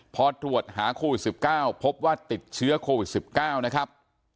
พอตรวจหาโควิดสิบเก้าพบว่าติดเชื้อโควิดสิบเก้านะครับ